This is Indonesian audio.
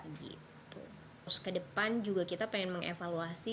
terus ke depan juga kita pengen mengevaluasi